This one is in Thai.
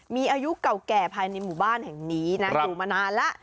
มีอายุเก่าแก่ภายในหมู่บ้านแห่งนี้นะอยู่มานานแล้ว